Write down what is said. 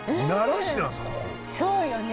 そうよね